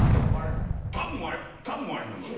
たぶん割れへんと思う。